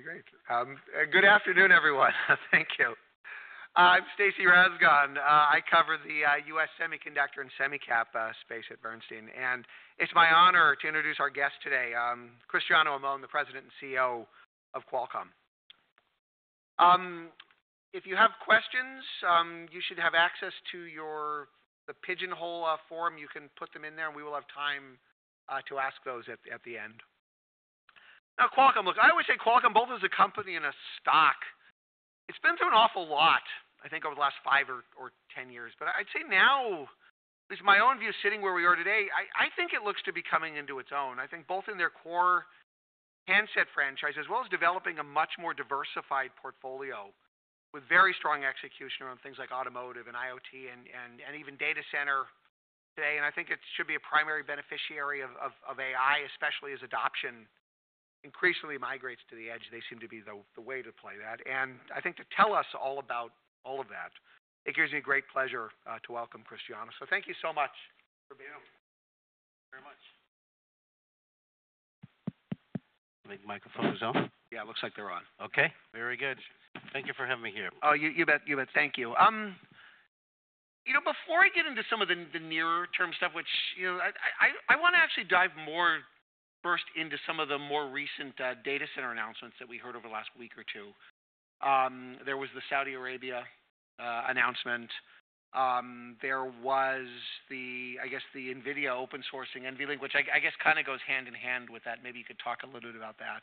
Pretty great. Good afternoon, everyone. Thank you. I'm Stacy Rasgon. I cover the U.S. semiconductor and semicap space at Bernstein, and it's my honor to introduce our guest today, Cristiano Amon, the President and CEO of Qualcomm. If you have questions, you should have access to your pigeonhole form. You can put them in there, and we will have time to ask those at the end. Now, Qualcomm, look, I always say Qualcomm, both as a company and a stock, it's been through an awful lot, I think, over the last five or ten years. I think now, at least my own view, sitting where we are today, I think it looks to be coming into its own. I think both in their core handset franchise as well as developing a much more diversified portfolio with very strong execution around things like automotive and IoT and even data center today. I think it should be a primary beneficiary of AI, especially as adoption increasingly migrates to the edge. They seem to be the way to play that. I think to tell us all about all of that, it gives me great pleasure to welcome Cristiano. Thank you so much for being here. Mic microphones on. Yeah, it looks like they're on. Okay. Very good. Thank you for having me here. Oh, you bet. You bet. Thank you. You know, before I get into some of the near-term stuff, which I want to actually dive more first into some of the more recent data center announcements that we heard over the last week or two. There was the Saudi Arabia announcement. There was the, I guess, the Nvidia open sourcing NVLink, which I guess kind of goes hand in hand with that. Maybe you could talk a little bit about that.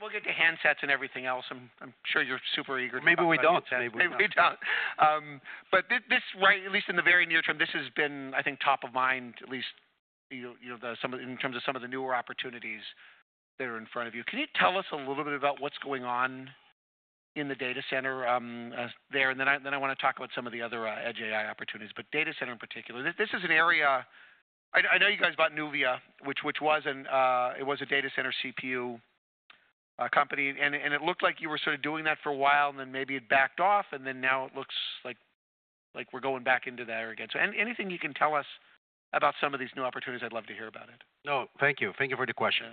We'll get to handsets and everything else. I'm sure you're super eager to talk about that. Maybe we don't. Maybe we don't. This, right, at least in the very near term, this has been, I think, top of mind, at least in terms of some of the newer opportunities that are in front of you. Can you tell us a little bit about what's going on in the data center there? I want to talk about some of the other edge AI opportunities, but data center in particular. This is an area I know you guys bought Nuvia, which was a data center CPU company. It looked like you were sort of doing that for a while, and then maybe it backed off, and then now it looks like we're going back into that again. Anything you can tell us about some of these new opportunities, I'd love to hear about it. No, thank you. Thank you for the question.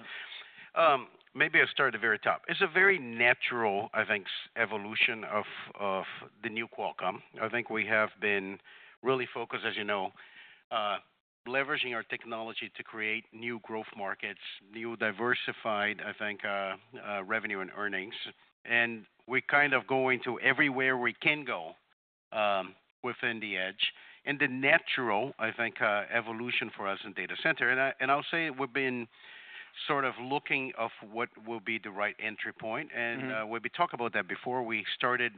Maybe I'll start at the very top. It's a very natural, I think, evolution of the new Qualcomm. I think we have been really focused, as you know, leveraging our technology to create new growth markets, new diversified, I think, revenue and earnings. We're kind of going to everywhere we can go within the edge. The natural, I think, evolution for us in data center. I'll say we've been sort of looking at what will be the right entry point. We talked about that before we started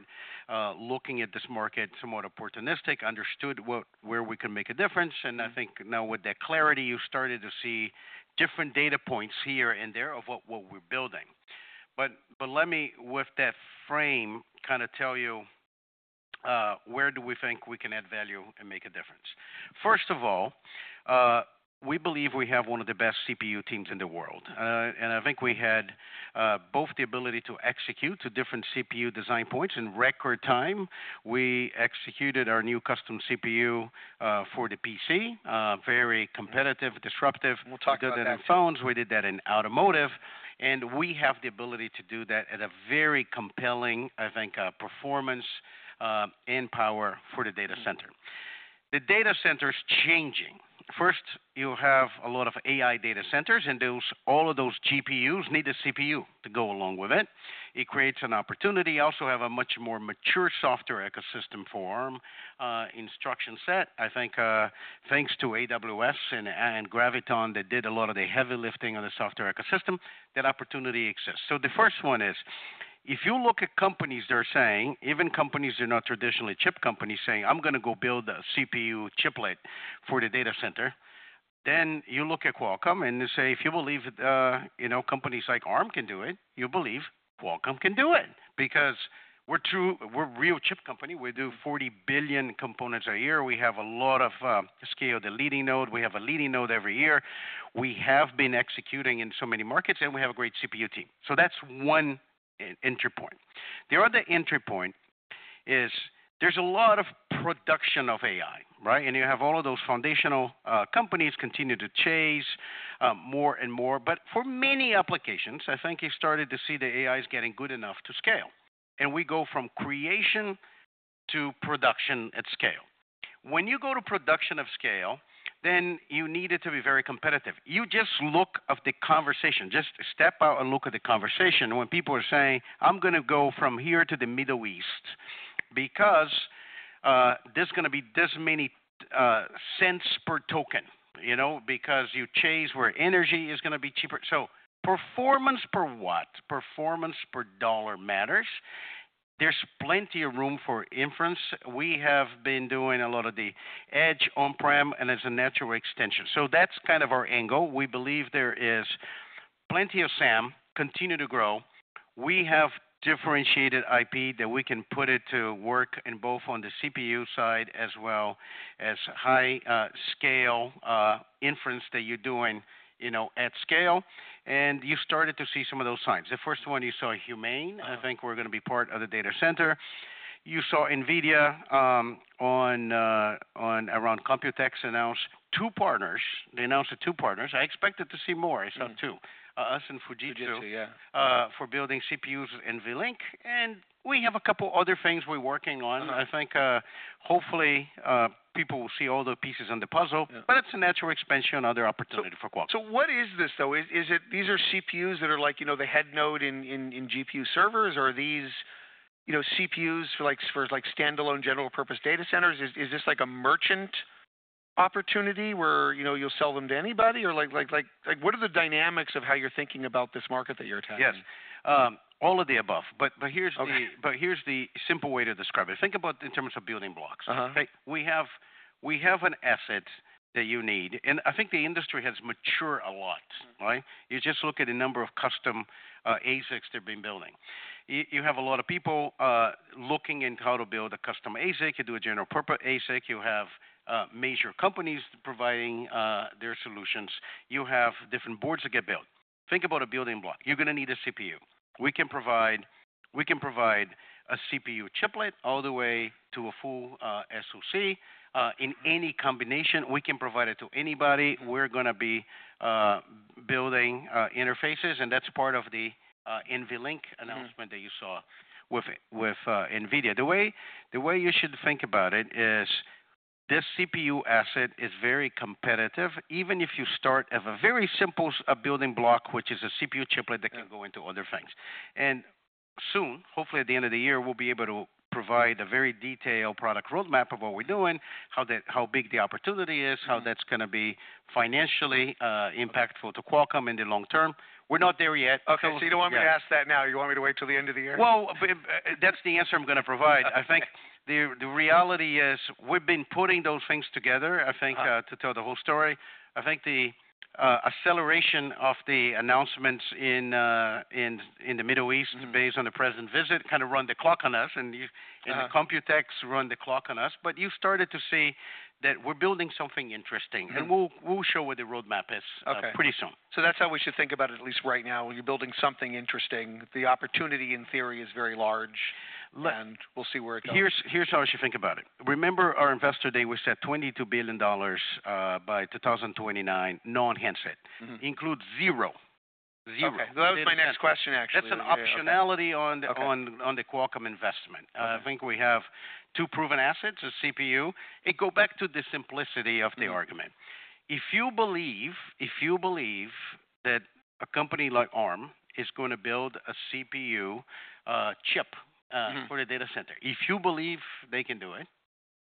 looking at this market, somewhat opportunistic, understood where we can make a difference. I think now with that clarity, you started to see different data points here and there of what we're building. Let me, with that frame, kind of tell you where do we think we can add value and make a difference. First of all, we believe we have one of the best CPU teams in the world. I think we had both the ability to execute to different CPU design points in record time. We executed our new custom CPU for the PC, very competitive, disruptive, better than phones. We did that in automotive. We have the ability to do that at a very compelling, I think, performance and power for the data center. The data center is changing. First, you have a lot of AI data centers, and all of those GPUs need a CPU to go along with it. It creates an opportunity. You also have a much more mature software ecosystem form instruction set. I think thanks to AWS and Graviton that did a lot of the heavy lifting on the software ecosystem, that opportunity exists. The first one is, if you look at companies that are saying, even companies that are not traditionally chip companies saying, "I'm going to go build a CPU chiplet for the data center," then you look at Qualcomm and you say, "If you believe companies like Arm can do it, you believe Qualcomm can do it." Because we're a real chip company. We do 40 billion components a year. We have a lot of scale to leading node. We have a leading node every year. We have been executing in so many markets, and we have a great CPU team. That's one entry point. The other entry point is there's a lot of production of AI, right? You have all of those foundational companies continue to chase more and more. For many applications, I think you've started to see the AI is getting good enough to scale. We go from creation to production at scale. When you go to production of scale, you need it to be very competitive. You just look at the conversation, just step out and look at the conversation when people are saying, "I'm going to go from here to the Middle East because there's going to be this many cents per token," you know, because you chase where energy is going to be cheaper. Performance per what? Performance per dollar matters. There's plenty of room for inference. We have been doing a lot of the edge on-prem and as a natural extension. That's kind of our angle. We believe there is plenty of SAM, continue to grow. We have differentiated IP that we can put to work in both on the CPU side as well as high-scale inference that you are doing at scale. You started to see some of those signs. The first one you saw, Humane, I think we are going to be part of the data center. You saw Nvidia around Computex announced two partners. They announced two partners. I expected to see more. I saw two. Us and Fujitsu for building CPUs and NVLink. We have a couple of other things we are working on. I think hopefully people will see all the pieces on the puzzle, but it is a natural expansion and other opportunity for Qualcomm. What is this, though? These are CPUs that are like the head node in GPU servers, or are these CPUs for standalone general purpose data centers? Is this like a merchant opportunity where you'll sell them to anybody? What are the dynamics of how you're thinking about this market that you're attacking? Yes. All of the above. Here is the simple way to describe it. Think about it in terms of building blocks. We have an asset that you need. I think the industry has matured a lot. You just look at the number of custom ASICs they have been building. You have a lot of people looking at how to build a custom ASIC. You do a general purpose ASIC. You have major companies providing their solutions. You have different boards that get built. Think about a building block. You are going to need a CPU. We can provide a CPU chiplet all the way to a full SoC in any combination. We can provide it to anybody. We are going to be building interfaces. That is part of the NVLink announcement that you saw with Nvidia. The way you should think about it is this CPU asset is very competitive, even if you start as a very simple building block, which is a CPU chiplet that can go into other things. Soon, hopefully at the end of the year, we'll be able to provide a very detailed product roadmap of what we're doing, how big the opportunity is, how that's going to be financially impactful to Qualcomm in the long term. We're not there yet. Okay. So you do not want me to ask that now? You want me to wait till the end of the year? That's the answer I'm going to provide. I think the reality is we've been putting those things together, I think, to tell the whole story. I think the acceleration of the announcements in the Middle East based on the president's visit kind of run the clock on us, and Computex run the clock on us. You've started to see that we're building something interesting. We'll show what the roadmap is pretty soon. That's how we should think about it, at least right now. When you're building something interesting, the opportunity in theory is very large, and we'll see where it goes. Here's how I should think about it. Remember our investor thing? We set $22 billion by 2029 non-handset. Include zero. Zero. Okay. That was my next question, actually. That's an optionality on the Qualcomm investment. I think we have two proven assets, a CPU. It goes back to the simplicity of the argument. If you believe that a company like Arm is going to build a CPU chip for the data center, if you believe they can do it,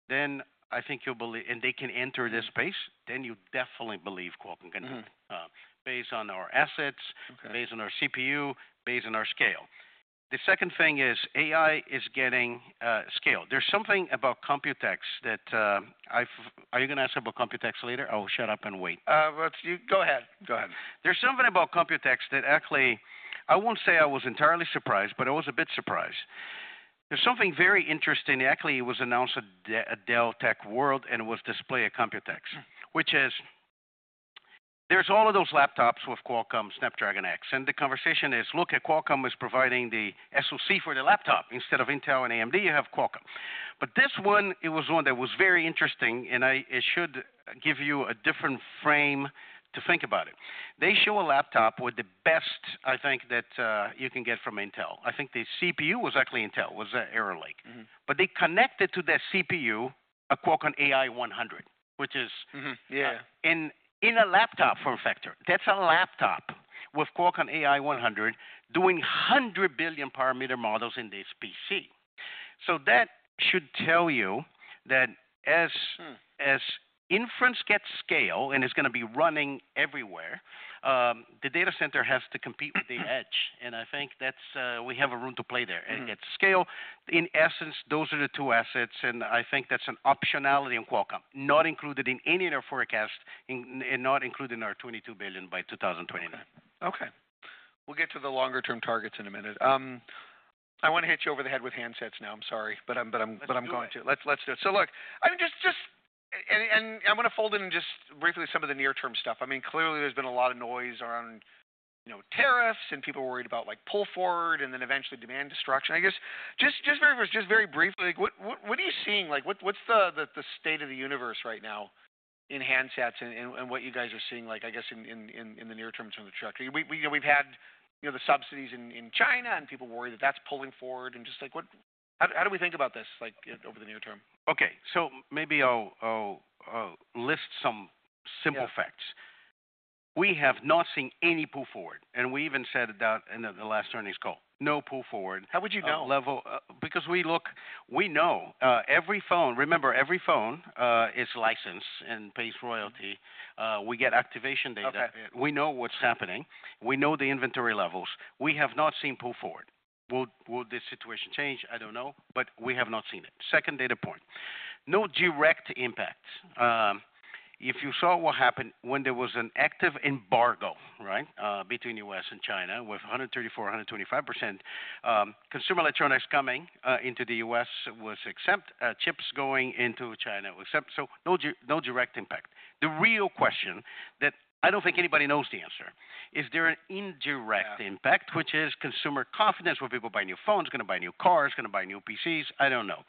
then I think you'll believe and they can enter this space, then you definitely believe Qualcomm can do it based on our assets, based on our CPU, based on our scale. The second thing is AI is getting scale. There's something about Computex that I've—are you going to ask about Computex later? I'll shut up and wait. Go ahead. There's something about Computex that actually—I won't say I was entirely surprised, but I was a bit surprised. There's something very interesting. Actually, it was announced at Dell Tech World, and it was displayed at Computex, which is there's all of those laptops with Qualcomm Snapdragon X. The conversation is, look, Qualcomm is providing the SoC for the laptop. Instead of Intel and AMD, you have Qualcomm. This one, it was one that was very interesting, and it should give you a different frame to think about it. They show a laptop with the best, I think, that you can get from Intel. I think the CPU was actually Intel, was Arrow Lake. They connected to that CPU a Qualcomm AI 100, which is in a laptop form factor. That's a laptop with Qualcomm AI 100 doing 100 billion parameter models in this PC. That should tell you that as inference gets scale and is going to be running everywhere, the data center has to compete with the edge. I think we have a room to play there. It gets scale. In essence, those are the two assets. I think that's an optionality on Qualcomm, not included in any of their forecasts and not included in our $22 billion by 2029. Okay. We'll get to the longer-term targets in a minute. I want to hit you over the head with handsets now. I'm sorry, but I'm going to. Let's do it. Look, I'm going to fold in just briefly some of the near-term stuff. I mean, clearly, there's been a lot of noise around tariffs and people worried about pull forward and then eventually demand destruction. I guess just very briefly, what are you seeing? What's the state of the universe right now in handsets and what you guys are seeing, I guess, in the near term in terms of trajectory? We've had the subsidies in China, and people worry that that's pulling forward. Just how do we think about this over the near term? Okay. Maybe I'll list some simple facts. We have not seen any pull forward. We even said that in the last earnings call. No pull forward. How would you know? Because we look, we know every phone, remember, every phone is licensed and pays royalty. We get activation data. We know what's happening. We know the inventory levels. We have not seen pull forward. Will this situation change? I don't know, but we have not seen it. Second data point. No direct impact. If you saw what happened when there was an active embargo between the U.S. and China with 134, 125% consumer electronics coming into the U.S., except chips going into China, except so no direct impact. The real question that I don't think anybody knows the answer is there an indirect impact, which is consumer confidence where people buy new phones, going to buy new cars, going to buy new PCs? I don't know.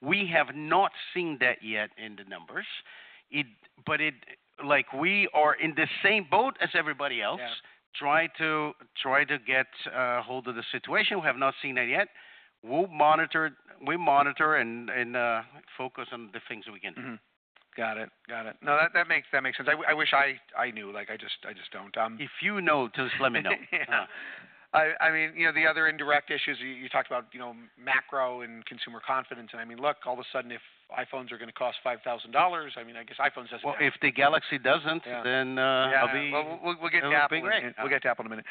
We have not seen that yet in the numbers. We are in the same boat as everybody else trying to get a hold of the situation. We have not seen that yet. We monitor and focus on the things that we can do. Got it. Got it. No, that makes sense. I wish I knew. I just don't. If you know, just let me know. I mean, the other indirect issues you talked about, macro and consumer confidence. I mean, look, all of a sudden, if iPhones are going to cost $5,000, I mean, I guess iPhones has to. If the `Galaxy doesn't, then I'll be. We'll get to Apple in a minute.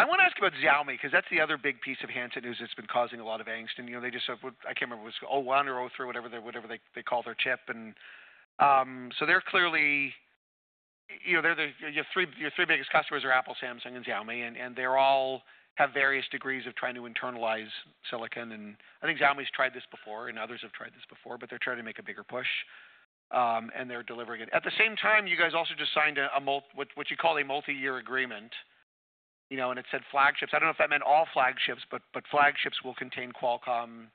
I want to ask about Xiaomi because that's the other big piece of handset news that's been causing a lot of angst. They just said, I can't remember what it was, O1 or O3, whatever they call their chip. They are clearly your three biggest customers: Apple, Samsung, and Xiaomi. They all have various degrees of trying to internalize silicon. I think Xiaomi's tried this before and others have tried this before, but they're trying to make a bigger push. They're delivering it. At the same time, you guys also just signed what you call a multi-year agreement. It said flagships. I don't know if that meant all flagships, but flagships will contain Qualcomm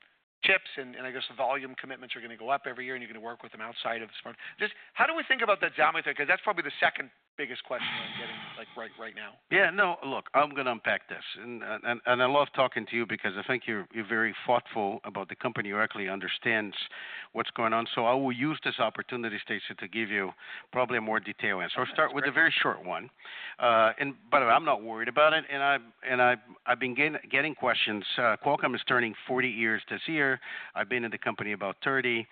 chips. I guess the volume commitments are going to go up every year, and you're going to work with them outside of smartphones. Just how do we think about that Xiaomi thing? Because that's probably the second biggest question I'm getting right now. Yeah. No, look, I'm going to unpack this. I love talking to you because I think you're very thoughtful about the company, directly understands what's going on. I will use this opportunity, Stacy, to give you probably a more detailed answer. I'll start with a very short one. By the way, I'm not worried about it. I've been getting questions. Qualcomm is turning 40 years this year. I've been in the company about 30.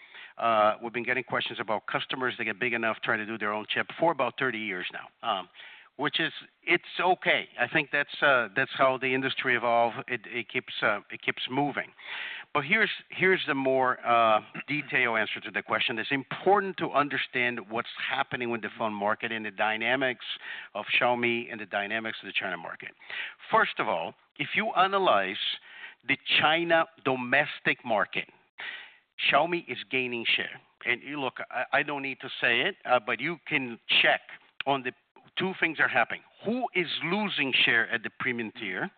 We've been getting questions about customers that get big enough trying to do their own chip for about 30 years now, which is okay. I think that's how the industry evolves. It keeps moving. Here's the more detailed answer to the question. It's important to understand what's happening with the phone market and the dynamics of Xiaomi and the dynamics of the China market. First of all, if you analyze the China domestic market, Xiaomi is gaining share. Look, I don't need to say it, but you can check on the two things that are happening. Who is losing share at the premium tier?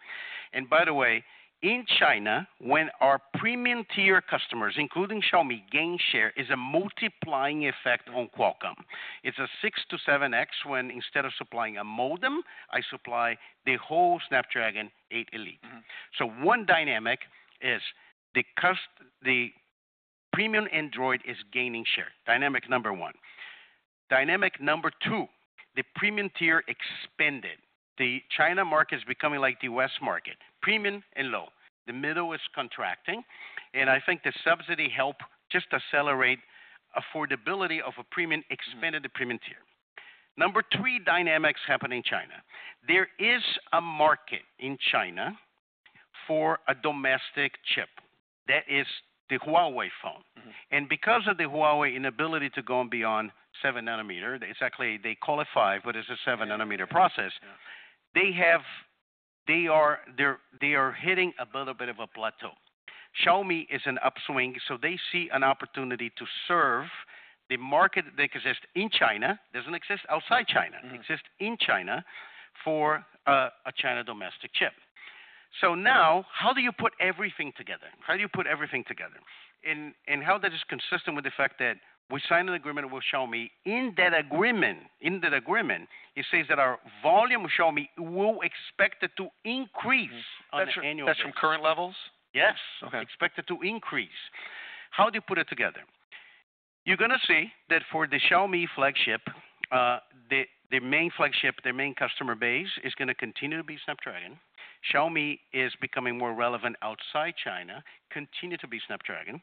By the way, in China, when our premium tier customers, including Xiaomi, gain share, it's a multiplying effect on Qualcomm. It's a 6-7X when instead of supplying a modem, I supply the whole Snapdragon 8 Elite. One dynamic is the premium Android is gaining share. Dynamic number one. Dynamic number two, the premium tier expanded. The China market is becoming like the US market. Premium and low. The middle is contracting. I think the subsidy helped just accelerate affordability of a premium, expanded the premium tier. Number three dynamics happen in China. There is a market in China for a domestic chip. That is the Huawei phone. And because of the Huawei inability to go beyond 7 nanometer, exactly they qualify, but it's a 7 nanometer process. They are hitting a little bit of a plateau. Xiaomi is in upswing. They see an opportunity to serve the market that exists in China. It doesn't exist outside China. It exists in China for a China domestic chip. Now, how do you put everything together? How do you put everything together? And how that is consistent with the fact that we signed an agreement with Xiaomi. In that agreement, it says that our volume with Xiaomi will expect it to increase on the annual basis. That's from current levels? Yes. Expect it to increase. How do you put it together? You're going to see that for the Xiaomi flagship, the main flagship, their main customer base is going to continue to be Snapdragon. Xiaomi is becoming more relevant outside China, continuing to be Snapdragon.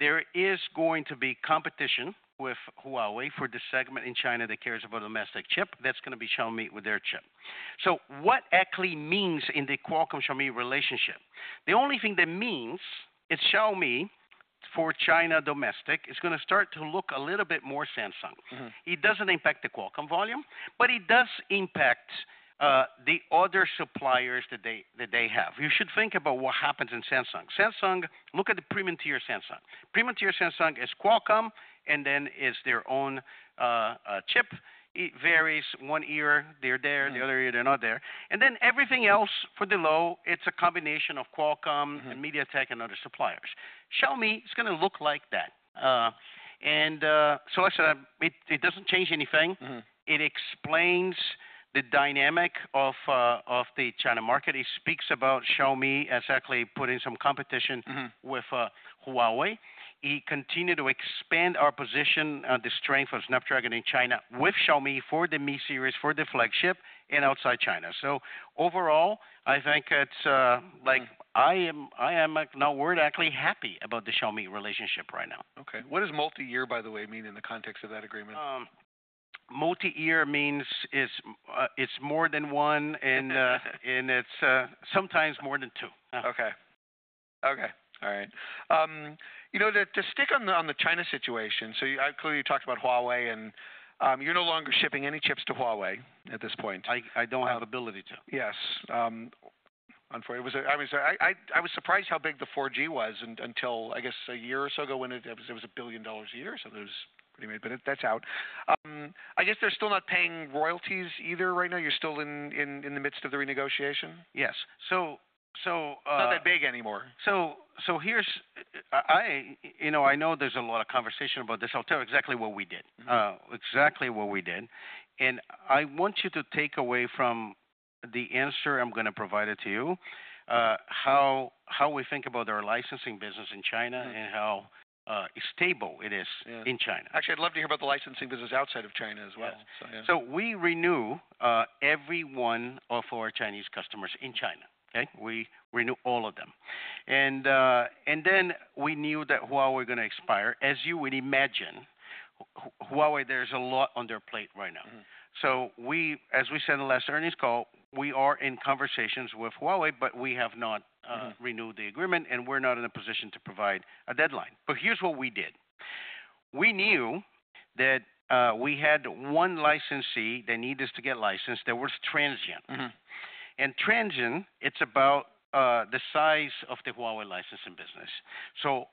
There is going to be competition with Huawei for the segment in China that cares about a domestic chip. That's going to be Xiaomi with their chip. What actually means in the Qualcomm-Xiaomi relationship? The only thing that means is Xiaomi for China domestic is going to start to look a little bit more Samsung. It doesn't impact the Qualcomm volume, but it does impact the other suppliers that they have. You should think about what happens in Samsung. Samsung, look at the premium tier Samsung. Premium tier Samsung is Qualcomm, and then is their own chip. It varies. One year, they're there. The other ear, they're not there. Everything else for the low, it's a combination of Qualcomm and MediaTek and other suppliers. Xiaomi is going to look like that. I said it doesn't change anything. It explains the dynamic of the China market. It speaks about Xiaomi exactly putting some competition with Huawei. It continued to expand our position and the strength of Snapdragon in China with Xiaomi for the MI series, for the flagship, and outside China. Overall, I think it's like I am now word actually happy about the Xiaomi relationship right now. Okay. What does multi-year, by the way, mean in the context of that agreement? Multi-year means it's more than one, and it's sometimes more than two. Okay. Okay. All right. You know, to stick on the China situation, so clearly you talked about Huawei, and you're no longer shipping any chips to Huawei at this point. I don't have the ability to. Yes. Unfortunately, I was surprised how big the 4G was until, I guess, a year or so ago when it was a billion dollar a year. So there was pretty much, but that's out. I guess they're still not paying royalties either right now. You're still in the midst of the renegotiation? Yes. So. Not that big anymore. Here's, I know there's a lot of conversation about this. I'll tell you exactly what we did. Exactly what we did. I want you to take away from the answer I'm going to provide to you how we think about our licensing business in China and how stable it is in China. Actually, I'd love to hear about the licensing business outside of China as well. We renew every one of our Chinese customers in China. Okay? We renew all of them. We knew that Huawei were going to expire. As you would imagine, Huawei, there is a lot on their plate right now. As we said in the last earnings call, we are in conversations with Huawei, but we have not renewed the agreement, and we are not in a position to provide a deadline. Here's what we did. We knew that we had one licensee that needed to get licensed, that was Transsion. Transsion is about the size of the Huawei licensing business.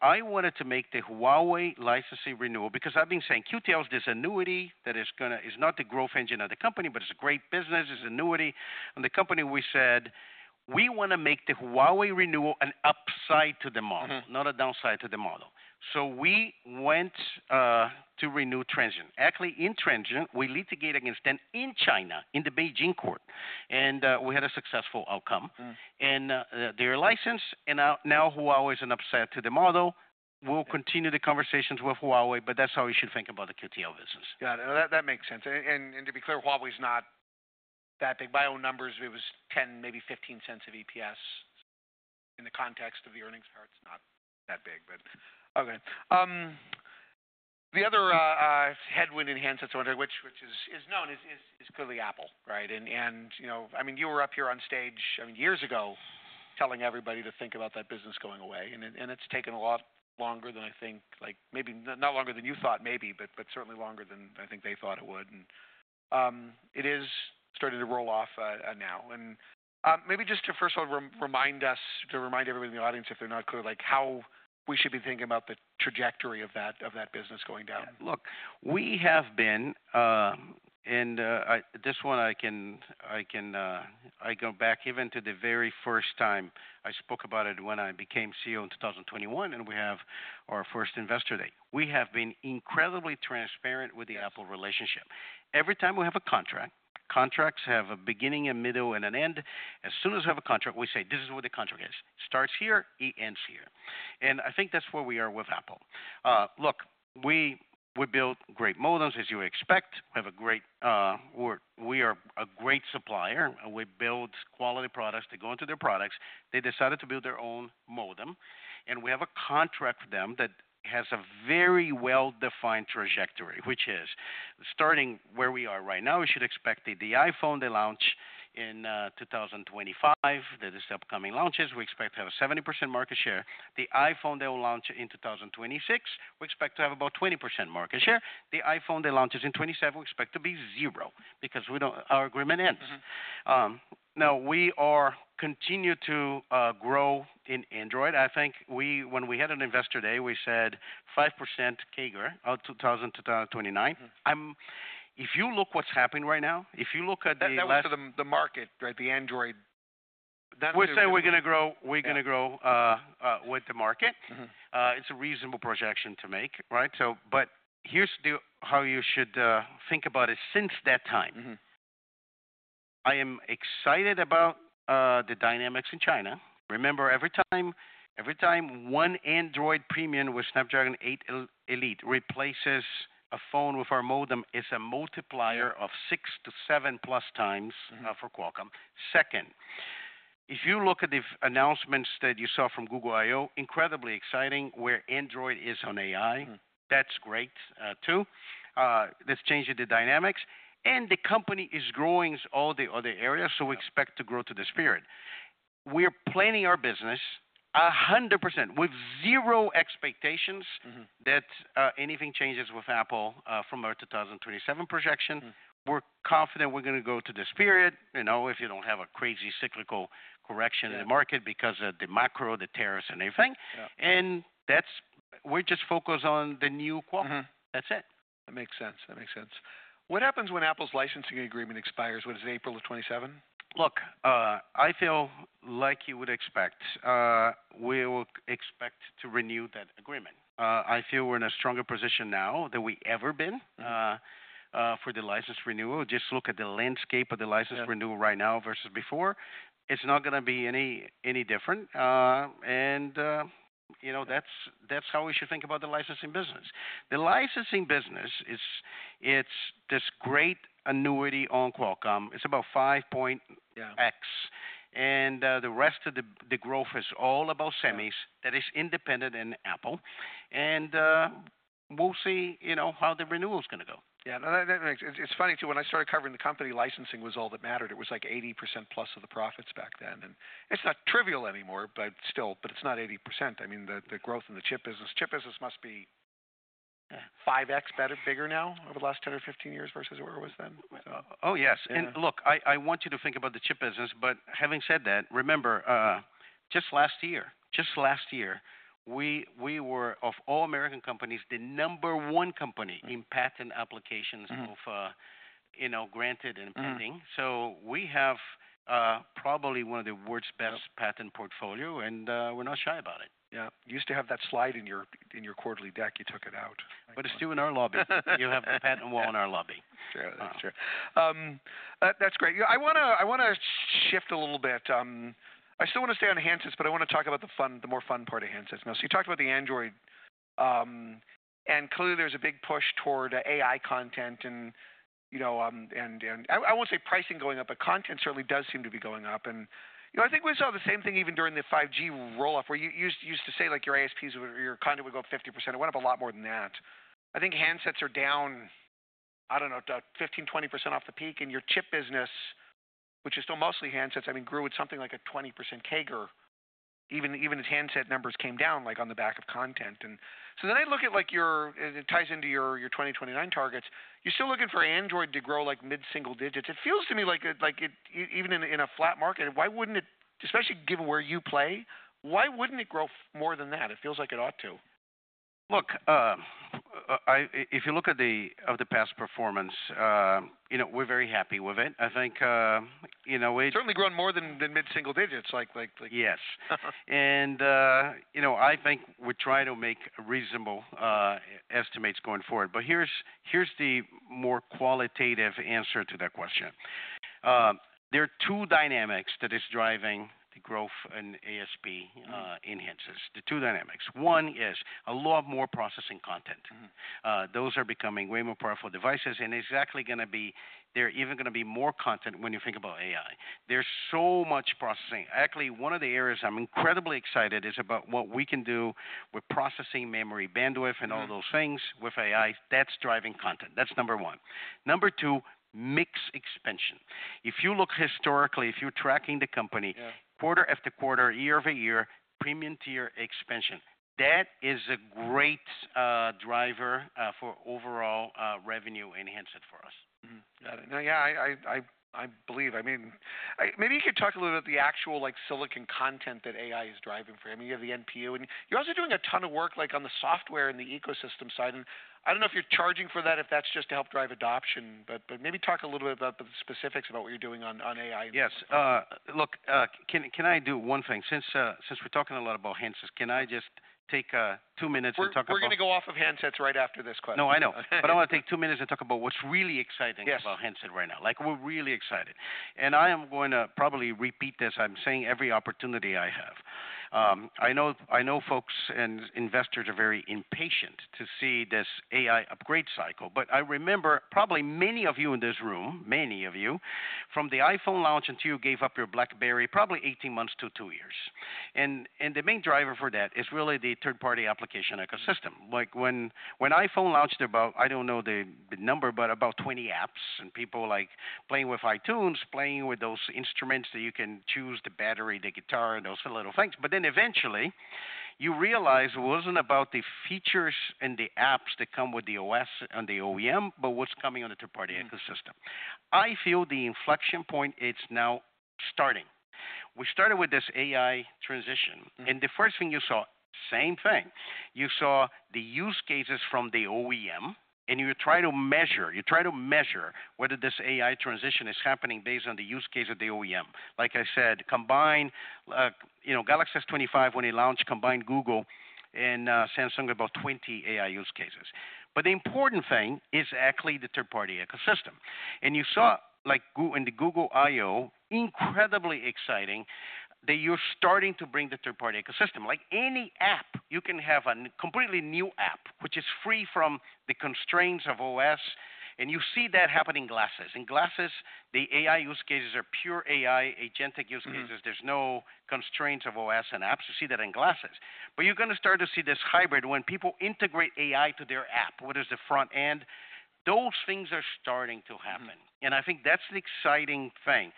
I wanted to make the Huawei licensing renewal because I have been saying QTL is this annuity that is not the growth engine of the company, but it is a great business. It is an annuity. The company, we said, we want to make the Huawei renewal an upside to the model, not a downside to the model. We went to renew Transsion. Actually, in Transsion, we litigated against them in China in the Beijing court. We had a successful outcome. They are licensed. Now Huawei is an upside to the model. We'll continue the conversations with Huawei, but that's how you should think about the QTL business. Got it. That makes sense. And to be clear, Huawei's not that big. By own numbers, it was 10, maybe 15 cents of EPS in the context of the earnings chart. It's not that big, but okay. The other headwind in handsets one day, which is known, is clearly Apple, right? I mean, you were up here on stage, I mean, years ago telling everybody to think about that business going away. It's taken a lot longer than I think, like maybe not longer than you thought maybe, but certainly longer than I think they thought it would. It is starting to roll off now. Maybe just to first of all remind us, to remind everybody in the audience if they're not clear, like how we should be thinking about the trajectory of that business going down. Look, we have been, and this one I can go back even to the very first time I spoke about it when I became CEO in 2021, and we have our first investor day. We have been incredibly transparent with the Apple relationship. Every time we have a contract, contracts have a beginning, a middle, and an end. As soon as we have a contract, we say, this is what the contract is. Starts here, it ends here. I think that's where we are with Apple. Look, we built great modems, as you expect. We have a great, we are a great supplier. We build quality products that go into their products. They decided to build their own modem. We have a contract with them that has a very well-defined trajectory, which is starting where we are right now. We should expect the iPhone to launch in 2025. There are these upcoming launches. We expect to have a 70% market share. The iPhone that will launch in 2026, we expect to have about 20% market share. The iPhone that launches in 2027, we expect to be zero because our agreement ends. Now, we continue to grow in Android. I think when we had an investor day, we said 5% CAGR out 2029. If you look at what's happening right now, if you look at the. That looks to the market, right? The Android. We're saying we're going to grow with the market. It's a reasonable projection to make, right? Here's how you should think about it since that time. I am excited about the dynamics in China. Remember, every time one Android premium with Snapdragon 8 Elite replaces a phone with our modem, it's a multiplier of six to seven plus times for Qualcomm. Second, if you look at the announcements that you saw from Google I/O, incredibly exciting where Android is on AI. That's great too. That's changing the dynamics. The company is growing all the other areas, so we expect to grow to the spirit. We're planning our business 100% with zero expectations that anything changes with Apple from our 2027 projection. We're confident we're going to go to the spirit if you don't have a crazy cyclical correction in the market because of the macro, the tariffs, and everything. We're just focused on the new Qualcomm. That's it. That makes sense. That makes sense. What happens when Apple's licensing agreement expires? When is April of 2027? Look, I feel like you would expect. We will expect to renew that agreement. I feel we're in a stronger position now than we've ever been for the license renewal. Just look at the landscape of the license renewal right now versus before. It's not going to be any different. That is how we should think about the licensing business. The licensing business, it's this great annuity on Qualcomm. It's about 5. Yeah. The rest of the growth is all about semis that is independent in Apple. We will see how the renewal is going to go. Yeah. That makes sense. It's funny too. When I started covering the company, licensing was all that mattered. It was like 80%+ of the profits back then. And it's not trivial anymore, but still, but it's not 80%. I mean, the growth in the chip business, chip business must be 5X bigger now over the last 10 or 15 years versus where it was then. Oh, yes. Look, I want you to think about the chip business. Having said that, remember, just last year, just last year, we were, of all American companies, the number one company in patent applications of granted and pending. We have probably one of the world's best patent portfolio, and we're not shy about it. Yeah. Used to have that slide in your quarterly deck. You took it out. It's still in our lobby. You have the patent wall in our lobby. Sure. That's great. I want to shift a little bit. I still want to stay on handsets, but I want to talk about the more fun part of handsets now. You talked about the Android, and clearly there's a big push toward AI content. I won't say pricing going up, but content certainly does seem to be going up. I think we saw the same thing even during the 5G rolloff, where you used to say like your ASPs or your content would go up 50%. It went up a lot more than that. I think handsets are down, I don't know, 15-20% off the peak. Your chip business, which is still mostly handsets, I mean, grew with something like a 20% CAGR. Even as handset numbers came down like on the back of content. I look at like your, it ties into your 2029 targets. You're still looking for Android to grow like mid-single digits. It feels to me like even in a flat market, why wouldn't it, especially given where you play, why wouldn't it grow more than that? It feels like it ought to. Look, if you look at the past performance, we're very happy with it. I think we. Certainly grown more than mid-single digits. Yes. I think we're trying to make reasonable estimates going forward. Here's the more qualitative answer to that question. There are two dynamics that are driving the growth in ASP enhances. The two dynamics. One is a lot more processing content. Those are becoming way more powerful devices. It's actually going to be, there are even going to be more content when you think about AI. There's so much processing. Actually, one of the areas I'm incredibly excited about is about what we can do with processing memory, bandwidth, and all those things with AI that's driving content. That's number one, number two, mixed expansion. If you look historically, if you're tracking the company quarter after quarter, year over year, premium tier expansion, that is a great driver for overall revenue enhancement for us. Got it. Yeah, I believe. I mean, maybe you could talk a little bit about the actual silicon content that AI is driving for you. I mean, you have the NPU, and you're also doing a ton of work like on the software and the ecosystem side. I don't know if you're charging for that, if that's just to help drive adoption, but maybe talk a little bit about the specifics about what you're doing on AI. Yes. Look, can I do one thing? Since we're talking a lot about handsets, can I just take two minutes and talk about. We're going to go off of handsets right after this question. No, I know. I want to take two minutes and talk about what's really exciting about handsets right now. Like we're really excited. I am going to probably repeat this. I'm saying every opportunity I have. I know folks and investors are very impatient to see this AI upgrade cycle. I remember probably many of you in this room, many of you, from the iPhone launch until you gave up your BlackBerry, probably 18 months to two years. The main driver for that is really the third-party application ecosystem. Like when iPhone launched, about, I don't know the number, but about 20 apps and people like playing with iTunes, playing with those instruments that you can choose, the battery, the guitar, and those little things. Then eventually you realize it wasn't about the features and the apps that come with the OS and the OEM, but what's coming on the third-party ecosystem. I feel the inflection point is now starting. We started with this AI transition. And the first thing you saw, same thing. You saw the use cases from the OEM, and you try to measure, you try to measure whether this AI transition is happening based on the use case of the OEM. Like I said, combined Galaxy S25 when it launched, combined Google and Samsung about 20 AI use cases. The important thing is actually the third-party ecosystem. You saw in the Google I/O, incredibly exciting that you're starting to bring the third-party ecosystem. Like any app, you can have a completely new app, which is free from the constraints of OS. You see that happening in glasses. In glasses, the AI use cases are pure AI agentic use cases. There's no constraints of OS and apps. You see that in glasses. You're going to start to see this hybrid when people integrate AI to their app, what is the front end. Those things are starting to happen. I think that's the exciting thing.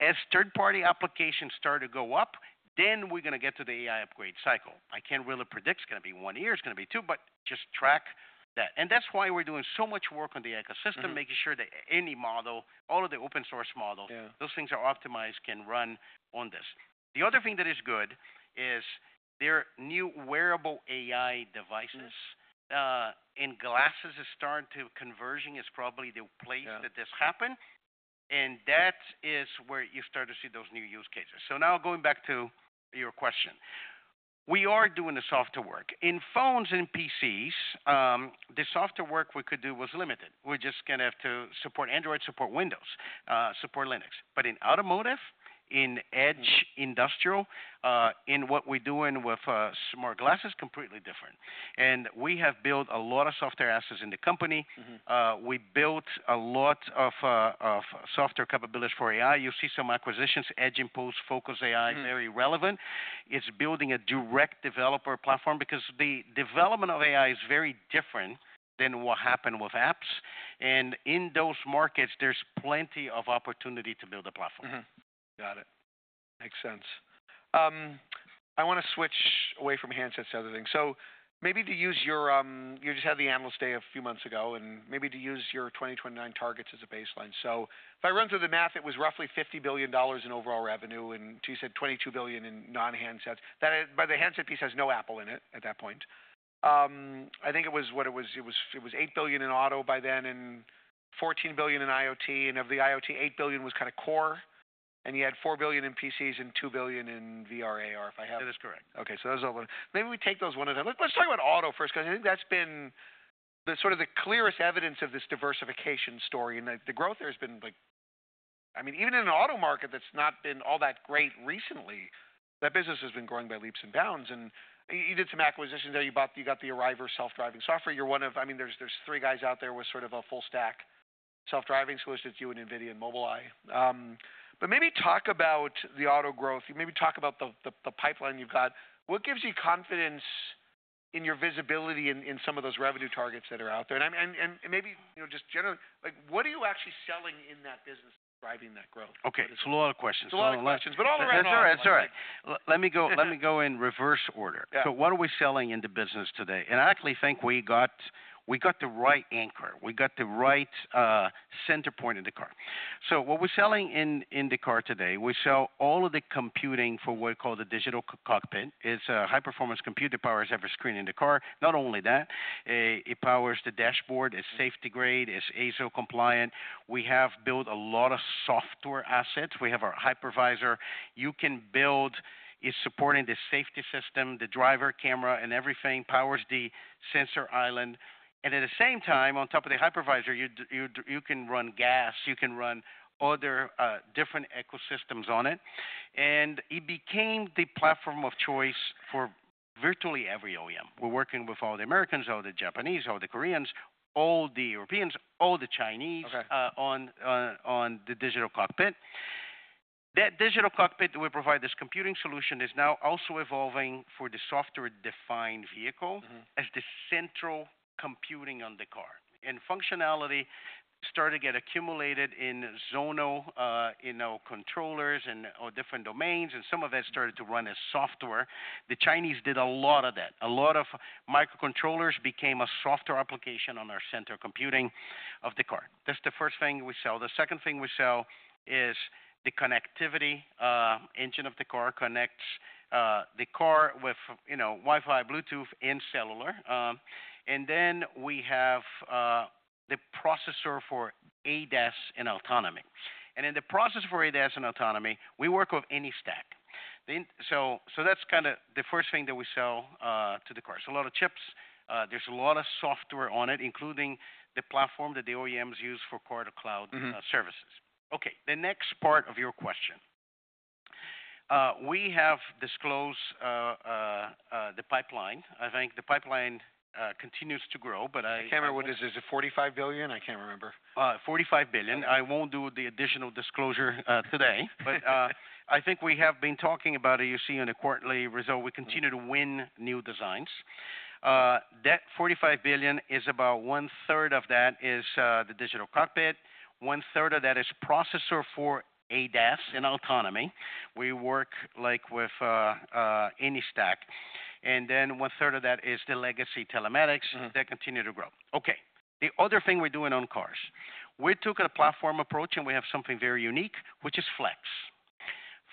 As third-party applications start to go up, we're going to get to the AI upgrade cycle. I can't really predict it's going to be one year, it's going to be two, but just track that. That's why we're doing so much work on the ecosystem, making sure that any model, all of the open-source models, those things are optimized, can run on this. The other thing that is good is there are new wearable AI devices. Glasses is starting to converging is probably the place that this happened. That is where you start to see those new use cases. Now, going back to your question, we are doing the software work. In phones and PCs, the software work we could do was limited. We're just going to have to support Android, support Windows, support Linux. In automotive, in edge industrial, in what we're doing with smart glasses, completely different. We have built a lot of software assets in the company. We built a lot of software capabilities for AI. You see some acquisitions, Edge Impulse, Focus AI, very relevant. It's building a direct developer platform because the development of AI is very different than what happened with apps. In those markets, there's plenty of opportunity to build a platform. Got it. Makes sense. I want to switch away from handsets to other things. Maybe to use your, you just had the analyst day a few months ago, and maybe to use your 2029 targets as a baseline. If I run through the math, it was roughly $50 billion in overall revenue. You said $22 billion in non-handsets. By the handset piece, it has no Apple in it at that point. I think it was what it was, it was $8 billion in auto by then and $14 billion in IoT. Of the IoT, $8 billion was kind of core. You had $4 billion in PCs and $2 billion in VR/AR, if I have. That is correct. Okay. So those are all the ones. Maybe we take those one at a time. Let's talk about auto first, because I think that's been sort of the clearest evidence of this diversification story. The growth there has been like, I mean, even in an auto market that's not been all that great recently, that business has been growing by leaps and bounds. You did some acquisitions there. You got the Arriva self-driving software. You're one of, I mean, there's three guys out there with sort of a full stack self-driving solutions, you and Nvidia and Mobileye. Maybe talk about the auto growth. Maybe talk about the pipeline you've got. What gives you confidence in your visibility in some of those revenue targets that are out there? Maybe just generally, what are you actually selling in that business that's driving that growth? Okay. It's a lot of questions. It's a lot of questions. All around. That's all right. That's all right. Let me go in reverse order. What are we selling in the business today? I actually think we got the right anchor. We got the right center point in the car. What we're selling in the car today, we sell all of the computing for what we call the digital cockpit. It's a high-performance compute that powers every screen in the car. Not only that, it powers the dashboard. It's safety grade. It's ASIL compliant. We have built a lot of software assets. We have our hypervisor. You can build, it's supporting the safety system, the driver, camera, and everything, powers the sensor island. At the same time, on top of the hypervisor, you can run gas. You can run other different ecosystems on it. It became the platform of choice for virtually every OEM. We're working with all the Americans, all the Japanese, all the Koreans, all the Europeans, all the Chinese on the digital cockpit. That digital cockpit that we provide, this computing solution, is now also evolving for the software-defined vehicle as the central computing on the car. Functionality started to get accumulated in zonal, in our controllers, and our different domains. Some of that started to run as software. The Chinese did a lot of that. A lot of microcontrollers became a software application on our center computing of the car. That's the first thing we sell. The second thing we sell is the connectivity engine of the car. It connects the car with Wi-Fi, Bluetooth, and cellular. We have the processor for ADAS and autonomy. In the process for ADAS and autonomy, we work with AnyStack. That's kind of the first thing that we sell to the car. A lot of chips. There's a lot of software on it, including the platform that the OEMs use for cloud services. Okay. The next part of your question. We have disclosed the pipeline. I think the pipeline continues to grow, but I. I can't remember what it is. Is it $45 billion? I can't remember. $45 billion. I won't do the additional disclosure today. I think we have been talking about it. You see in the quarterly result, we continue to win new designs. That $45 billion is about one-third of that is the digital cockpit. One-third of that is processor for ADAS and autonomy. We work like with AnyStack. One-third of that is the legacy telematics. That continues to grow. Okay. The other thing we're doing on cars, we took a platform approach and we have something very unique, which is Flex.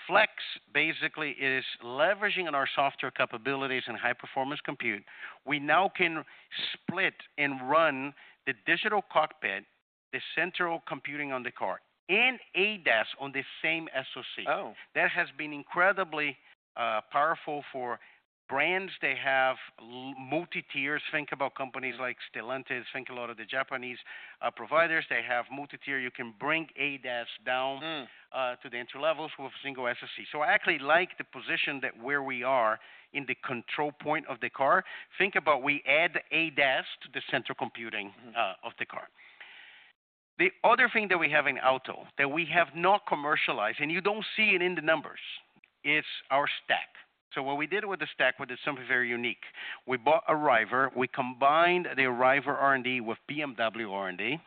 Flex basically is leveraging our software capabilities and high-performance compute. We now can split and run the digital cockpit, the central computing on the car, and ADAS on the same SoC. That has been incredibly powerful for brands. They have multi-tiers. Think about companies like Stellantis. Think a lot of the Japanese providers. They have multi-tier. You can bring ADAS down to the entry levels with single SoC. I actually like the position that where we are in the control point of the car. Think about we add ADAS to the central computing of the car. The other thing that we have in auto that we have not commercialized, and you do not see it in the numbers, is our stack. What we did with the stack, with something very unique, we bought Arrival. We combined the Arrival R&D with BMW R&D.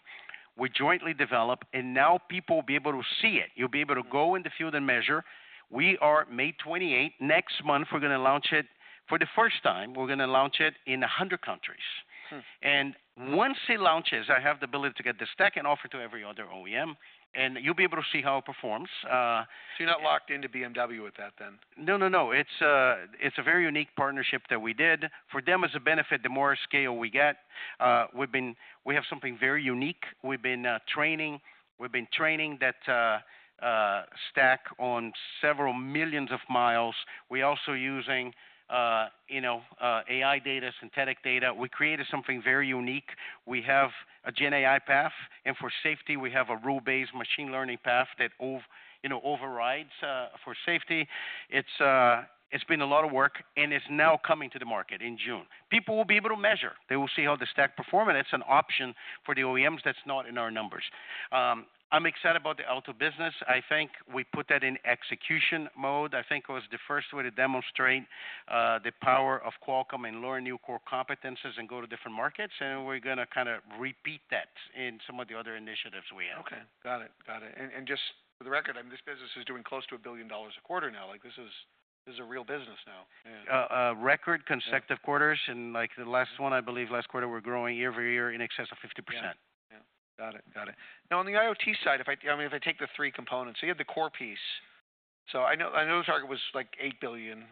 We jointly developed, and now people will be able to see it. You will be able to go in the field and measure. We are May 28. Next month, we are going to launch it for the first time. We are going to launch it in 100 countries. Once it launches, I have the ability to get the stack and offer it to every other OEM. You will be able to see how it performs. You're not locked into BMW with that then? No, no, no. It's a very unique partnership that we did. For them, it's a benefit the more scale we get. We have something very unique. We've been training. We've been training that stack on several millions of miles. We're also using AI data, synthetic data. We created something very unique. We have a gen AI path. For safety, we have a rule-based machine learning path that overrides for safety. It's been a lot of work, and it's now coming to the market in June. People will be able to measure. They will see how the stack performs. It's an option for the OEMs that's not in our numbers. I'm excited about the auto business. I think we put that in execution mode. I think it was the first way to demonstrate the power of Qualcomm and learn new core competencies and go to different markets. We're going to kind of repeat that in some of the other initiatives we have. Okay. Got it. Got it. And just for the record, I mean, this business is doing close to $1 billion a quarter now. Like this is a real business now. Record consecutive quarters. Like the last one, I believe last quarter, we're growing year over year in excess of 50%. Got it. Got it. Now on the IoT side, if I take the three components, so you have the core piece. So I know the target was like $8 billion.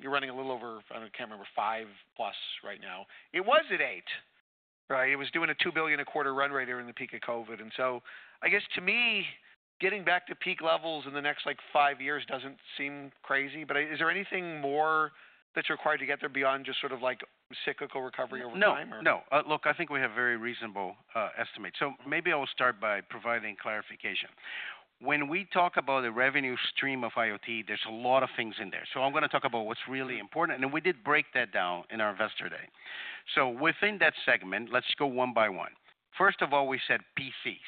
You're running a little over, I can't remember, $5 billion plus right now. It was at $8 billion, right? It was doing a $2 billion a quarter run right there in the peak of COVID. I guess to me, getting back to peak levels in the next five years doesn't seem crazy. Is there anything more that's required to get there beyond just sort of cyclical recovery over time? No. No. Look, I think we have very reasonable estimates. Maybe I will start by providing clarification. When we talk about the revenue stream of IoT, there's a lot of things in there. I'm going to talk about what's really important. We did break that down in our investor day. Within that segment, let's go one by one. First of all, we said PCs.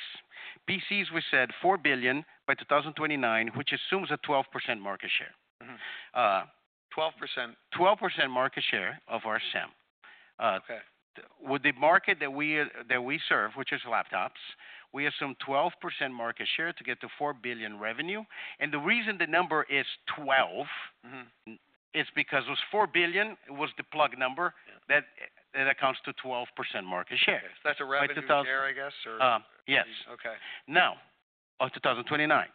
PCs, we said $4 billion by 2029, which assumes a 12% market share. 12%. 12% market share of our SAM. With the market that we serve, which is laptops, we assume 12% market share to get to $4 billion revenue. The reason the number is 12 is because it was $4 billion. It was the plug number that accounts to 12% market share. That's a revenue share, I guess, or? Yes. Okay. Now, of 2029,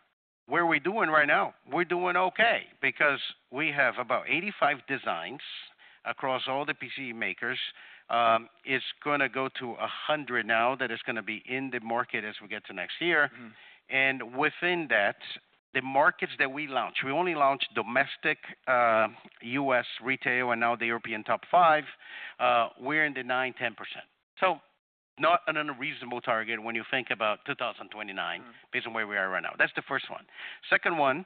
where are we doing right now? We're doing okay because we have about 85 designs across all the PC makers. It's going to go to 100 now that is going to be in the market as we get to next year. Within that, the markets that we launched, we only launched domestic U.S. retail and now the European top five. We're in the 9-10%. Not an unreasonable target when you think about 2029 based on where we are right now. That's the first one. Second one,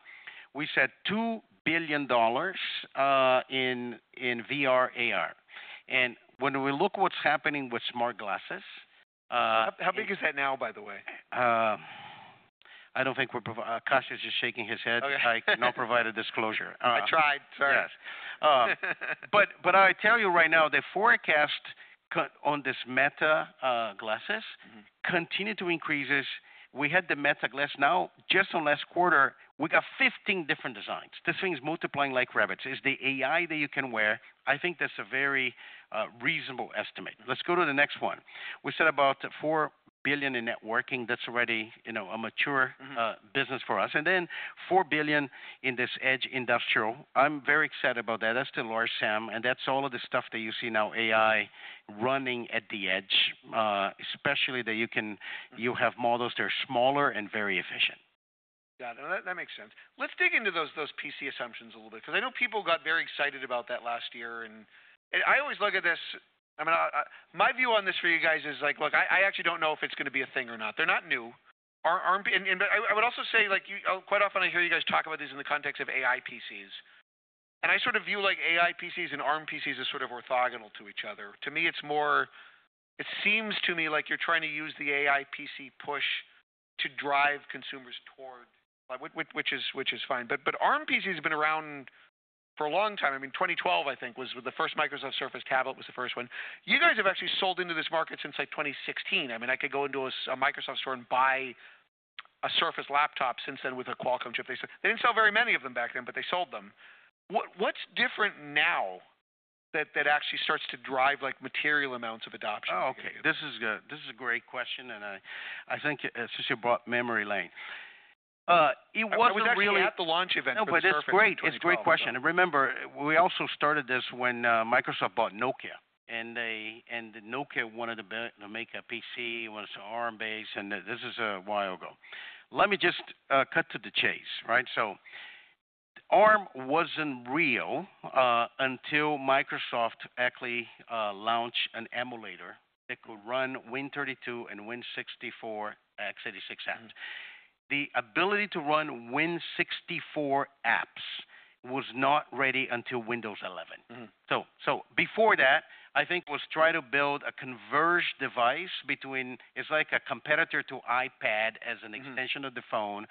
we said $2 billion in VR/AR. When we look at what's happening with smart glasses. How big is that now, by the way? I don't think we're—Akash is just shaking his head. I cannot provide a disclosure. I tried. Sorry. Yes. I tell you right now, the forecast on these Meta glasses continues to increase. We had the Meta glasses now just in the last quarter. We got 15 different designs. This thing is multiplying like rabbits. It is the AI that you can wear. I think that is a very reasonable estimate. Let's go to the next one. We said about $4 billion in networking. That is already a mature business for us. Then $4 billion in this edge industrial. I am very excited about that. That is the large SAM. That is all of the stuff that you see now, AI running at the edge, especially that you have models that are smaller and very efficient. Got it. That makes sense. Let's dig into those PC assumptions a little bit because I know people got very excited about that last year. I always look at this. I mean, my view on this for you guys is like, look, I actually don't know if it's going to be a thing or not. They're not new. I would also say like quite often I hear you guys talk about these in the context of AI PCs. I sort of view like AI PCs and Arm PCs as sort of orthogonal to each other. To me, it's more it seems to me like you're trying to use the AI PC push to drive consumers toward, which is fine. Arm PCs have been around for a long time. I mean, 2012, I think, was when the first Microsoft Surface tablet was the first one. You guys have actually sold into this market since like 2016. I mean, I could go into a Microsoft store and buy a Surface laptop since then with a Qualcomm chip. They did not sell very many of them back then, but they sold them. What is different now that actually starts to drive like material amounts of adoption? Oh, okay. This is a great question. I think it's just you brought memory lane. It wasn't really. It was actually at the launch event. No, but it's great. It's a great question. And remember, we also started this when Microsoft bought Nokia. And Nokia wanted to make a PC, wanted some Arm base. And this is a while ago. Let me just cut to the chase, right? So Arm wasn't real until Microsoft actually launched an emulator that could run Win32 and Win64 x86 apps. The ability to run Win64 apps was not ready until Windows 11. So before that, I think was try to build a converged device between it's like a competitor to iPad as an extension of the phone.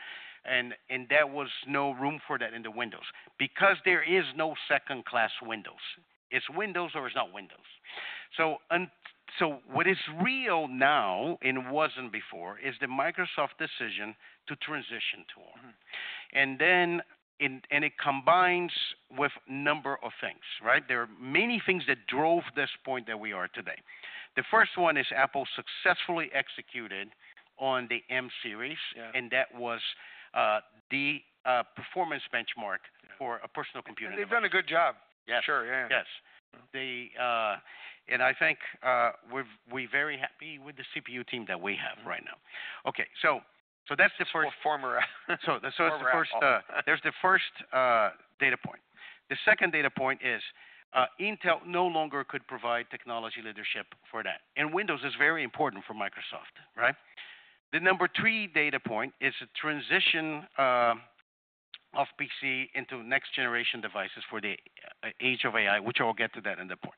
And there was no room for that in the Windows because there is no second-class Windows. It's Windows or it's not Windows. What is real now and wasn't before is the Microsoft decision to transition to Arm. And it combines with a number of things, right? There are many things that drove this point that we are today. The first one is Apple successfully executed on the M series. And that was the performance benchmark for a personal computer. They've done a good job. Yes. Sure. Yeah. Yes. I think we're very happy with the CPU team that we have right now. Okay. That's the first. Former. There's the first data point. The second data point is Intel no longer could provide technology leadership for that. Windows is very important for Microsoft, right? The number three data point is a transition of PC into next-generation devices for the age of AI, which I'll get to that in the point.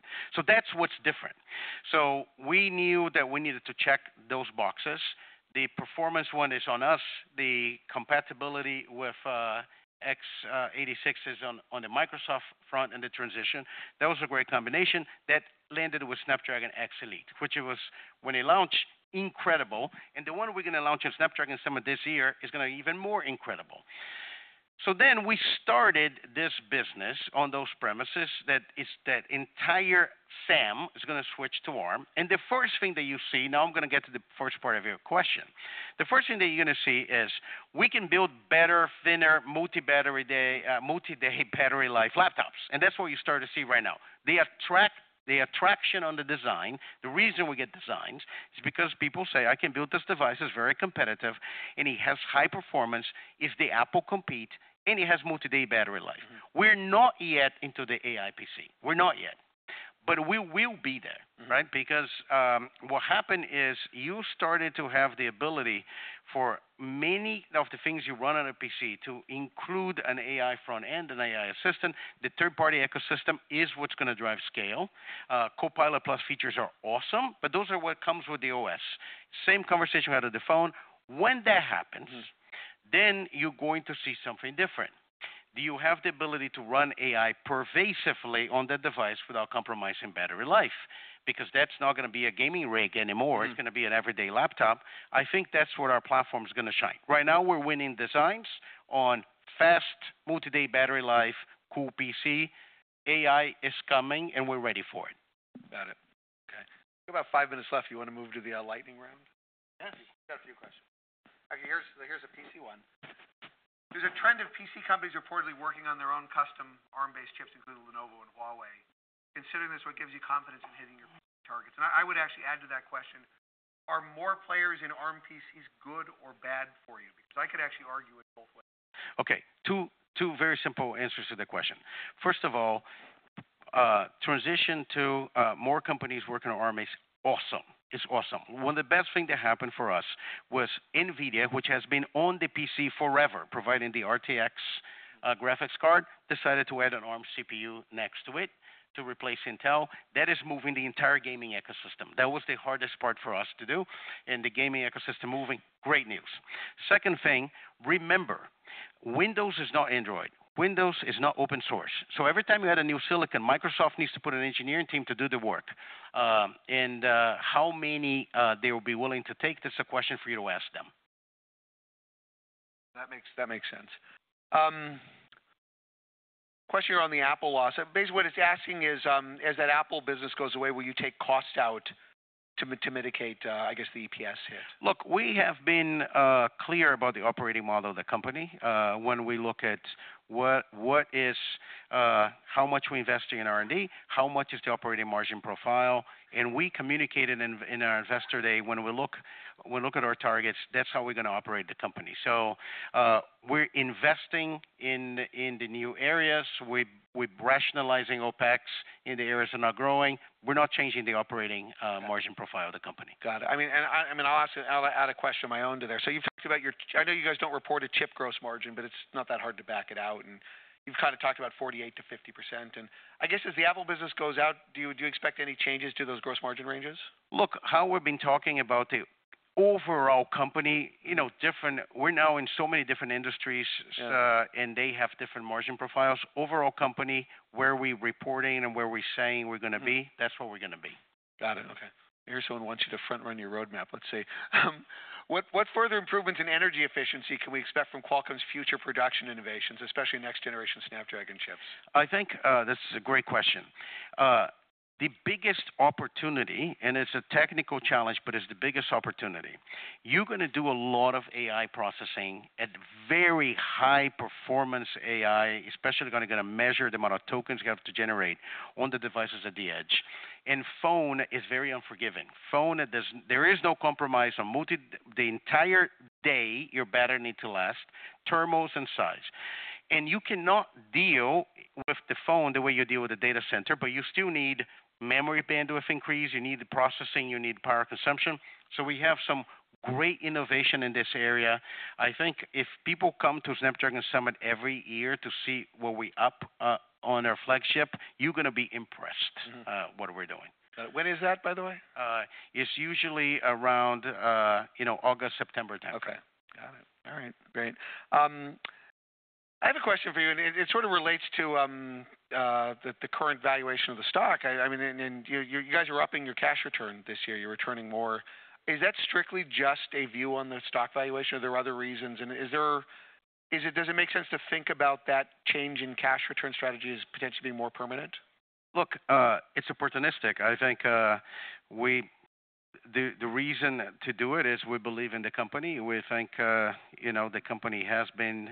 That's what's different. We knew that we needed to check those boxes. The performance one is on us. The compatibility with x86 is on the Microsoft front and the transition. That was a great combination that landed with Snapdragon X Elite, which it was when it launched, incredible. The one we're going to launch in Snapdragon summer this year is going to be even more incredible. We started this business on those premises that entire SAM is going to switch to ARM. The first thing that you see now, I'm going to get to the first part of your question. The first thing that you're going to see is we can build better, thinner, multi-day battery life laptops. That's what you start to see right now. The attraction on the design, the reason we get designs is because people say, "I can build this device. It's very competitive. And it has high performance. Is the Apple compete? And it has multi-day battery life." We're not yet into the AI PC. We're not yet. We will be there, right? What happened is you started to have the ability for many of the things you run on a PC to include an AI front end, an AI assistant. The third-party ecosystem is what's going to drive scale. Copilot+ features are awesome. Those are what comes with the OS. Same conversation we had on the phone. When that happens, you're going to see something different. Do you have the ability to run AI pervasively on that device without compromising battery life? Because that's not going to be a gaming rig anymore. It's going to be an everyday laptop. I think that's where our platform is going to shine. Right now, we're winning designs on fast, multi-day battery life, cool PC. AI is coming, and we're ready for it. Got it. Okay. We've got about five minutes left. Do you want to move to the lightning round? Yes. Got a few questions. Okay. Here's a PC one. There's a trend of PC companies reportedly working on their own custom Arm-based chips, including Lenovo and Huawei. Considering this, what gives you confidence in hitting your targets? I would actually add to that question, are more players in Arm PCs good or bad for you? Because I could actually argue it both ways. Okay. Two very simple answers to the question. First of all, transition to more companies working on Arm is awesome. It's awesome. One of the best things that happened for us was Nvidia, which has been on the PC forever, providing the RTX graphics card, decided to add an Arm CPU next to it to replace Intel. That is moving the entire gaming ecosystem. That was the hardest part for us to do. The gaming ecosystem moving, great news. Second thing, remember, Windows is not Android. Windows is not open source. Every time you add a new silicon, Microsoft needs to put an engineering team to do the work. How many they will be willing to take, that's a question for you to ask them. That makes sense. Question here on the Apple loss. Basically, what it's asking is, as that Apple business goes away, will you take costs out to mitigate, I guess, the EPS hit? Look, we have been clear about the operating model of the company when we look at what is how much we invest in R&D, how much is the operating margin profile. We communicated in our investor day when we look at our targets, that's how we're going to operate the company. We're investing in the new areas. We're rationalizing OpEx in the areas that are not growing. We're not changing the operating margin profile of the company. Got it. I mean, I'll add a question of my own to there. You've talked about your, I know you guys don't report a chip gross margin, but it's not that hard to back it out. You've kind of talked about 48%-50%. I guess as the Apple business goes out, do you expect any changes to those gross margin ranges? Look, how we've been talking about the overall company, we're now in so many different industries, and they have different margin profiles. Overall company, where we're reporting and where we're saying we're going to be, that's where we're going to be. Got it. Okay. Here's someone who wants you to front-run your roadmap. Let's see. What further improvements in energy efficiency can we expect from Qualcomm's future production innovations, especially next-generation Snapdragon chips? I think this is a great question. The biggest opportunity, and it's a technical challenge, but it's the biggest opportunity. You're going to do a lot of AI processing at very high performance AI, especially going to measure the amount of tokens you have to generate on the devices at the edge. Phone is very unforgiving. Phone, there is no compromise on the entire day your battery need to last, thermals and size. You cannot deal with the phone the way you deal with the data center, but you still need memory bandwidth increase. You need the processing. You need power consumption. We have some great innovation in this area. I think if people come to Snapdragon Summit every year to see where we're up on our flagship, you're going to be impressed what we're doing. When is that, by the way? It's usually around August, September timeframe. Okay. Got it. All right. Great. I have a question for you. And it sort of relates to the current valuation of the stock. I mean, you guys are upping your cash return this year. You're returning more. Is that strictly just a view on the stock valuation? Are there other reasons? And does it make sense to think about that change in cash return strategy as potentially being more permanent? Look, it's opportunistic. I think the reason to do it is we believe in the company. We think the company has been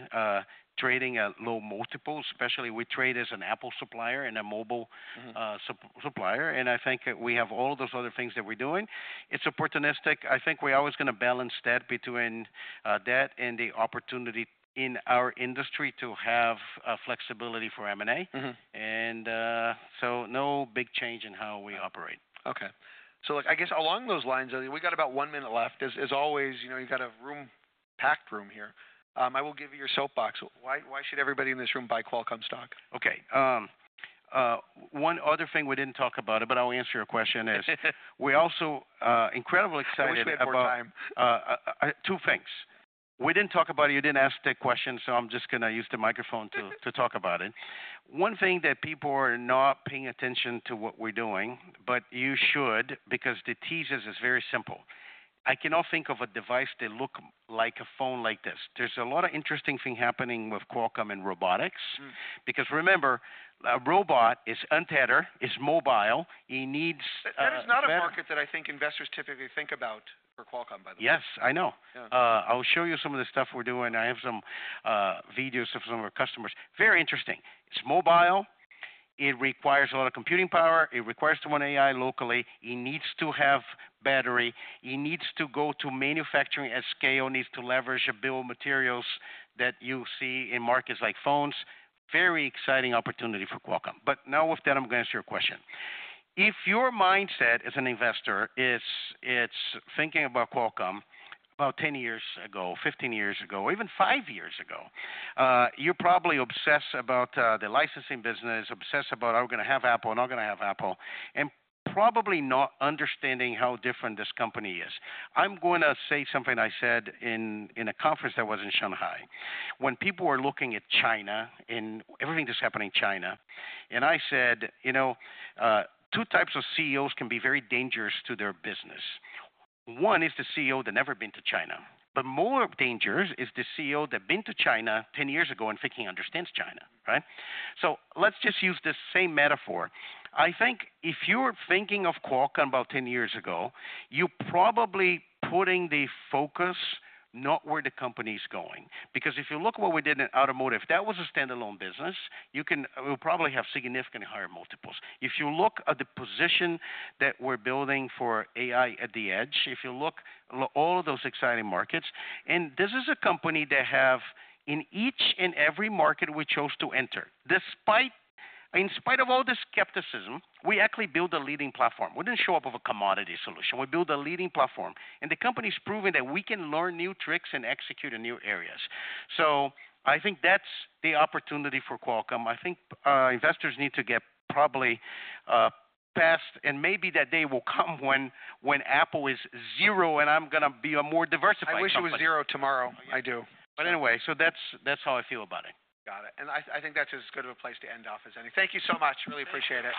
trading at low multiples, especially we trade as an Apple supplier and a mobile supplier. I think we have all of those other things that we're doing. It's opportunistic. I think we're always going to balance that between that and the opportunity in our industry to have flexibility for M&A. No big change in how we operate. Okay. So look, I guess along those lines, we've got about one minute left. As always, you've got a packed room here. I will give you your soapbox. Why should everybody in this room buy Qualcomm stock? Okay. One other thing we did not talk about, but I'll answer your question, is we're also incredibly excited about. Wasted our time. Two things. We did not talk about it. You did not ask the question, so I am just going to use the microphone to talk about it. One thing that people are not paying attention to what we are doing, but you should because the thesis is very simple. I cannot think of a device that looks like a phone like this. There are a lot of interesting things happening with Qualcomm and robotics. Because remember, a robot is untethered, is mobile. It needs a back. That is not a market that I think investors typically think about for Qualcomm, by the way. Yes, I know. I'll show you some of the stuff we're doing. I have some videos of some of our customers. Very interesting. It's mobile. It requires a lot of computing power. It requires to run AI locally. It needs to have battery. It needs to go to manufacturing at scale. It needs to leverage the build materials that you see in markets like phones. Very exciting opportunity for Qualcomm. Now with that, I'm going to ask you a question. If your mindset as an investor is thinking about Qualcomm about 10 years ago, 15 years ago, or even five years ago, you're probably obsessed about the licensing business, obsessed about, "Are we going to have Apple? Are we not going to have Apple?" and probably not understanding how different this company is. I'm going to say something I said in a conference that was in Shanghai. When people were looking at China and everything that's happening in China, and I said, "You know, two types of CEOs can be very dangerous to their business. One is the CEO that never been to China. But more dangerous is the CEO that been to China 10 years ago and thinking understands China, right?" Let's just use the same metaphor. I think if you were thinking of Qualcomm about 10 years ago, you're probably putting the focus not where the company is going. Because if you look at what we did in automotive, that was a standalone business. You can probably have significantly higher multiples. If you look at the position that we're building for AI at the edge, if you look at all of those exciting markets, and this is a company that in each and every market we chose to enter, despite in spite of all the skepticism, we actually built a leading platform. We didn't show up with a commodity solution. We built a leading platform. And the company's proving that we can learn new tricks and execute in new areas. I think that's the opportunity for Qualcomm. I think investors need to get probably past, and maybe that day will come when Apple is zero and I'm going to be a more diversified company. I wish it was zero tomorrow. I do. Anyway, so that's how I feel about it. Got it. I think that's as good of a place to end off as any. Thank you so much. Really appreciate it.